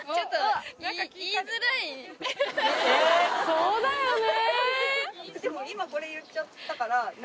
そうだよね。